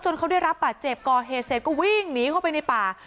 เขาได้รับบาดเจ็บก่อเหตุเสร็จก็วิ่งหนีเข้าไปในป่า